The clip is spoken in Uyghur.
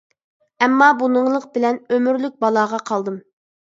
ئەمما، بۇنىڭلىق بىلەن ئۆمۈرلۈك بالاغا قالدىم.